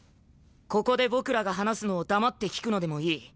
ここで僕らが話すのを黙って聞くのでもいい。